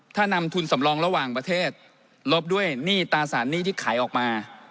ถ้านำทุนสำรองระหว่างประเทศลบด้วยหนี้ตราสารหนี้ที่ขายออกมา